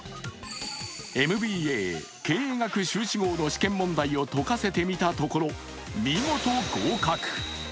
ＭＢＡ経営学修士号の試験問題を解かせてみたところ、見事、合格。